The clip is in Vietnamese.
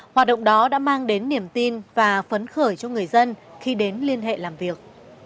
hoạt động đó đã mang đến niềm tin và phấn khởi cho người dân khi đến liên hệ làm việc